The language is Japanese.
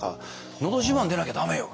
「『のど自慢』出なきゃ駄目よ」。